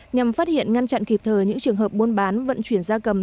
nhằm phát hiện ngăn chặn kịp thời những trường hợp buôn bán vận chuyển da cầm